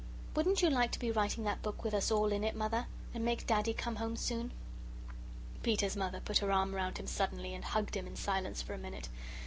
Wouldn't you like to be writing that book with us all in it, Mother, and make Daddy come home soon?" Peter's Mother put her arm round him suddenly, and hugged him in silence for a minute.